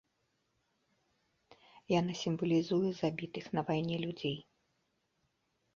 Яна сімвалізуе забітых на вайне людзей.